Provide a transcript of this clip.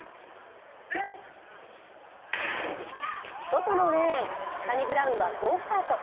外のレーン、サニブラウンは好スタート。